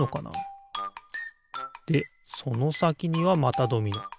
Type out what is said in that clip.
でそのさきにはまたドミノ。